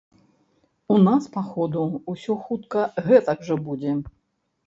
У нас, па ходу, усё хутка гэтак жа будзе.